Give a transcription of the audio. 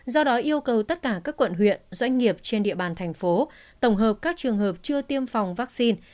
do đó yêu cầu tất cả các quận huyện doanh nghiệp trên địa bàn thành phố tổng hợp các trường hợp chưa tiêm phòng vaccine